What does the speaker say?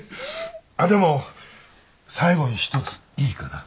あっでも最後に一ついいかな？